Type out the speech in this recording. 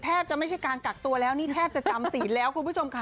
จะไม่ใช่การกักตัวแล้วนี่แทบจะจำศีลแล้วคุณผู้ชมค่ะ